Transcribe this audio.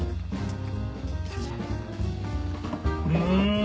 うん！